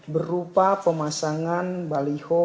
berupa pemasangan baliho